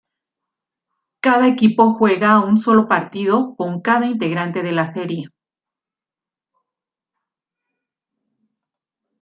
Cada equipo juega un sólo partido con cada integrante de la serie.